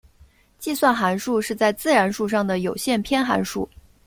计算函数是在自然数上的有限偏函数。